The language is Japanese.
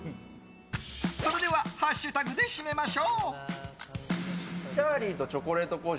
それではハッシュタグで締めましょう。